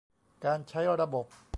การใช้ระบบ